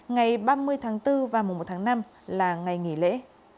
ngày ba mươi tháng bốn và mùa một tháng năm là ngày nghỉ lễ